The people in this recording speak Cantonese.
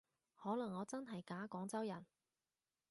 可能我真係假廣州人